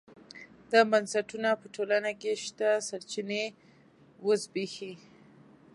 دا بنسټونه په ټولنه کې شته سرچینې وزبېښي.